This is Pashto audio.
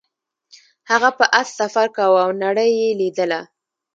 هغه په اس سفر کاوه او نړۍ یې لیدله.